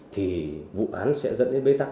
thì vụ án sẽ dẫn đến bê tắc